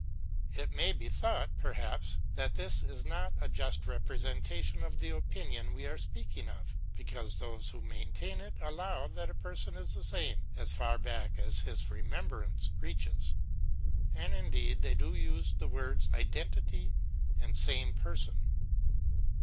It may be thought, perhaps, that this is not a just represen tation of the opinion we are speaking of : because those who maintain it allow, that a person is the same as far back as his remembrance reaches. And indeed they do use the words identity and same person.